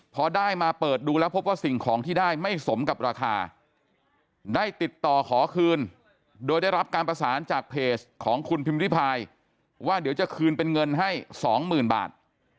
พอได้มาเปิดดูแล้วพบว่าสิ่งของที่ได้ไม่สมกับราคาได้ติดต่อขอคืนโดยได้รับการประสานจากเพจของคุณพิมพิพายว่าเดี๋ยวจะคืนเป็นเงินให้๒๐๐๐บาท